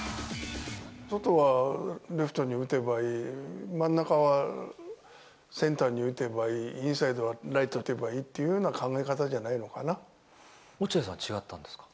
外はレフトに打てばいい、真ん中はセンターに打てばいい、インサイドはライトに打てばいいっていうような考え方じゃないの落合さんは違ったんですか？